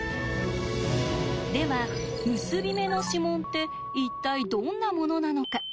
では結び目の指紋って一体どんなものなのか？